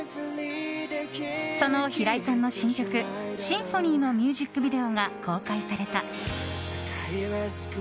その平井さんの新曲「Ｓｙｍｐｈｏｎｙ」のミュージックビデオが公開された。